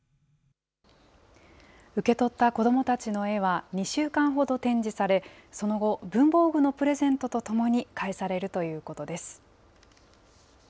受け取った子どもたちの絵は、２週間ほど展示され、その後、文房具のプレゼントとともに返されるということです。